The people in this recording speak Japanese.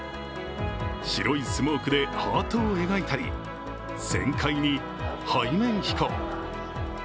白いスモークでハートを描いたり旋回に、背面飛行。